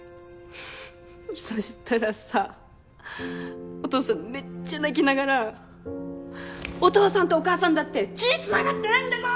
ふふふっそしたらさお父さんめっちゃ泣きながらお父さんとお母さんだって血つながってないんだぞ！